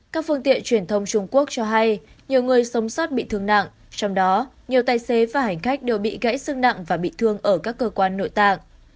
các phương tiện truyền thông trung quốc cho hay nhiều người sống sót bị thương nặng trong đó nhiều tài xế và hành khách đều bị gãy xương nặng và bị thương ở các cơ quan nội tạng